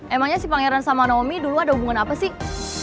emangnya si pangeran sama nomi dulu ada hubungan apa sih